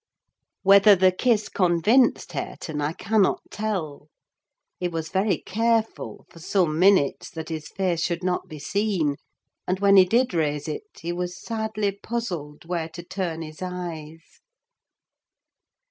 Whether the kiss convinced Hareton, I cannot tell: he was very careful, for some minutes, that his face should not be seen, and when he did raise it, he was sadly puzzled where to turn his eyes.